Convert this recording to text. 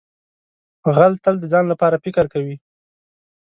غل تل د ځان لپاره فکر کوي